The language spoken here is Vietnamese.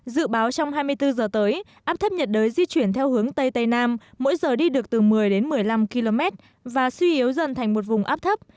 dự báo trong hai mươi bốn giờ tới áp thấp nhiệt đới di chuyển theo hướng tây tây nam mỗi giờ đi được từ một mươi đến một mươi năm km và suy yếu dần thành một vùng áp thấp